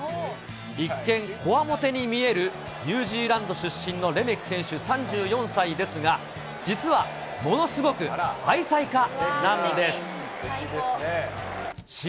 一見、こわもてに見えるニュージーランド出身のレメキ選手、３４歳ですが、実はものすごく愛妻家なんです。